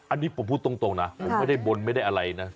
อันนี้ผมพูดตรงนะผมไม่ได้บนไม่ได้อะไรนะ